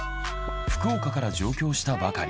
福岡から上京したばかり。